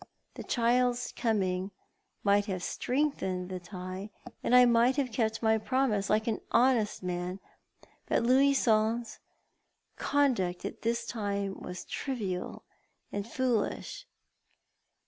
The child's coming might have strengthened the tie, and I might have kept my promise, like an honest man, but Louison's conduct at this time was trivial and foolish.